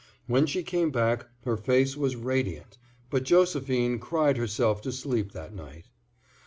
When she came back her face was radiant, but Josephine cried herself to sleep that night.